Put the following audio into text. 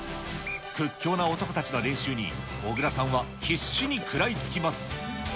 屈強な男たちの練習に、小倉さんは必死に食らいつきます。